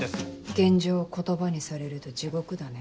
現状を言葉にされると地獄だね。